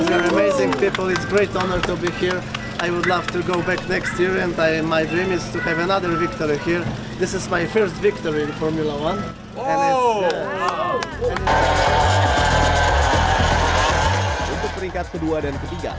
untuk peringkat kedua dan ketiga